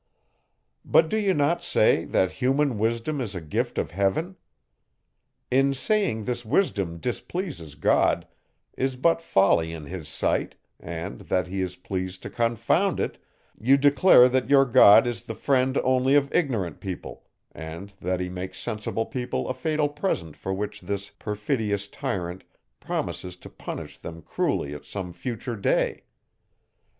But do you not say, that human wisdom is a gift of heaven? In saying this wisdom displeases God, is but folly in his sight, and that he is pleased to confound it, you declare that your God is the friend only of ignorant people, and that he makes sensible people a fatal present for which this perfidious tyrant promises to punish them cruelly at some future day.